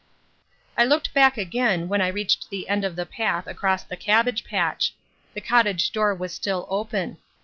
I looked back again when I reached the end of the path across the cabbage patch. The cottage door was still open.